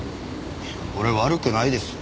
俺悪くないですよ。